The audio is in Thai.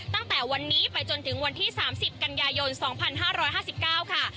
ตั้งแต่วันนี้ไปจนถึงวันที่๓๐กันยายน๒๕๕๙ค่ะ